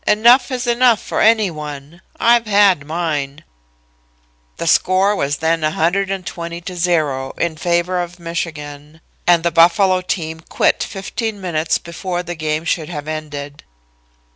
Enough is enough for any one. I've had mine.' "The score was then 120 to 0, in favor of Michigan, and the Buffalo team quit fifteen minutes before the game should have ended.